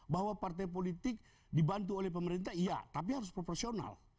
bahwa partai politik dibantu oleh pemerintah iya tapi harus proporsional